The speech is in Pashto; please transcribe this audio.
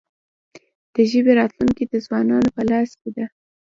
د ژبې راتلونکې د ځوانانو په لاس کې ده.